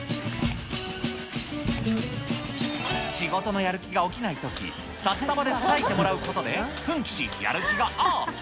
仕事のやる気が起きないとき、札束でたたいてもらうことで奮起し、やる気がアップ。